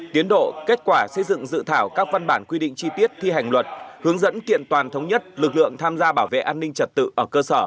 tiến độ kết quả xây dựng dự thảo các văn bản quy định chi tiết thi hành luật hướng dẫn kiện toàn thống nhất lực lượng tham gia bảo vệ an ninh trật tự ở cơ sở